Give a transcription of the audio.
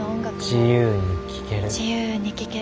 自由に聴ける。